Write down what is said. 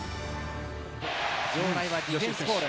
場内はディフェンスコール。